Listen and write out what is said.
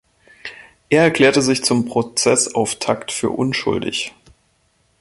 Er erklärte sich zum Prozessauftakt für unschuldig.